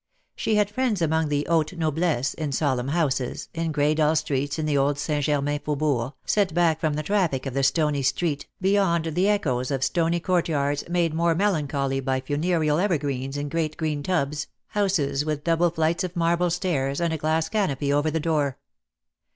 She had friends among the haute noblesse, in solemn houses, in grey dull streets in the old St. Germain faubourg, set back from the traffic of the stony street, beyond the echoes of stony court yards made more melancholy by funereal ever greens in great green tubs, houses with double 30 DEAD LOVE HAS CHAINS. flights of marble stairs, and a glass canopy over the door.